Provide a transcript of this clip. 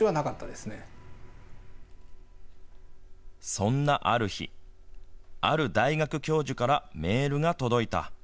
そんなある日ある大学教授からメールが届いた。